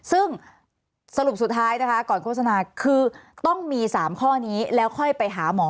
ซึ่งสรุปสุดท้ายนะคะก่อนโฆษณาคือต้องมี๓ข้อนี้แล้วค่อยไปหาหมอ